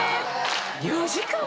４時間も！？